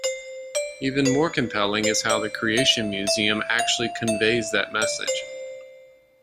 Even more compelling is how the Creation Museum actually conveys that message.